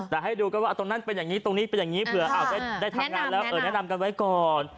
แต่ให้ดูกันว่าตรงนั้นเป็นอย่างนี้ตรงนี้เป็นอย่างนี้เผื่อได้ทำงานแล้วแนะนำกันไว้ก่อน